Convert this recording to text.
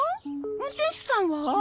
運転手さんは？